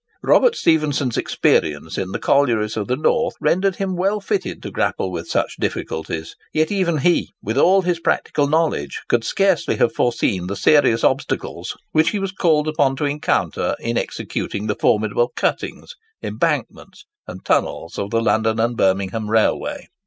Robert Stephenson's experience in the collieries of the North rendered him well fitted to grapple with such difficulties; yet even he, with all his practical knowledge, could scarcely have foreseen the serious obstacles which he was called upon to encounter in executing the formidable cuttings, embankments, and tunnels of the London and Birmingham Railway.